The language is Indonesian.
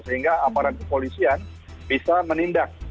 sehingga aparat kepolisian bisa menindak